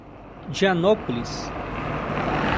Dianópolis